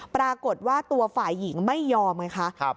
ปรากฏว่าตัวฝ่ายหญิงไม่ยอมไงคะ